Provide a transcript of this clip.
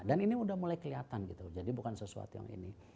dan ini sudah mulai kelihatan gitu jadi bukan sesuatu yang ini